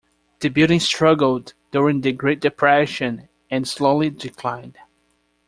The building struggled during the Great Depression, and slowly declined.